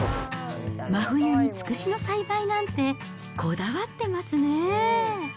真冬につくしの栽培なんて、こだわってますねぇ。